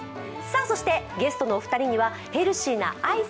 そして、ゲストのお二人にはヘルシーなアイス、